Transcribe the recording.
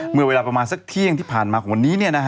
เมื่อเวลาประมาณสักเที่ยงที่ผ่านมาของวันนี้